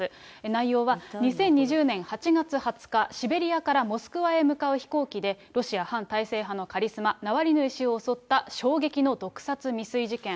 内容は、２０２０年８月２０日、シベリアからモスクワへ向かう飛行機で、ロシア反体制派のカリスマ、ナワリヌイ氏を襲った衝撃の毒殺未遂事件。